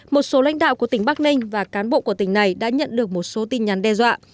một số lãnh đạo của tỉnh bắc ninh và cán bộ của tỉnh này đã nhận được một số tin nhắn đe dọa